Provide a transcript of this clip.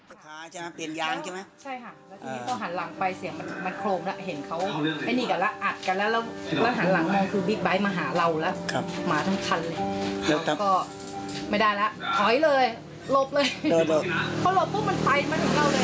กลัวมากแฟนผ้าอะไรครับหลวงพ่อเกิดวัดโพแทนหลวงพ่อเกิดต่อหน้า